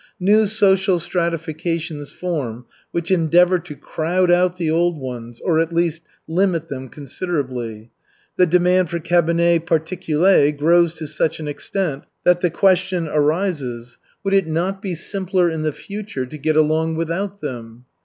New social stratifications form, which endeavor to crowd out the old ones, or, at least, limit them considerably. The demand for cabinets particuliers grows to such an extent that the question arises: Would it not be simpler in the future to get along without them?